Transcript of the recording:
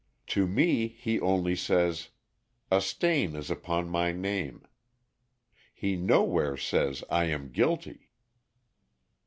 To me he only says, 'a stain is upon my name.' He nowhere says, 'I am guilty.'"